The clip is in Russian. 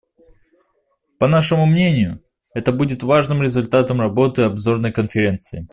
По нашему мнению, это будет важным результатом работы Обзорной конференции.